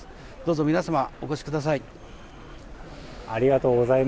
ぜひ皆様、お越しください。